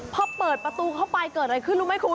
พอเปิดประตูเข้าไปเกิดอะไรขึ้นรู้ไหมคุณ